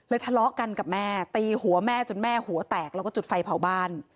ทะเลาะกันกับแม่ตีหัวแม่จนแม่หัวแตกแล้วก็จุดไฟเผาบ้าน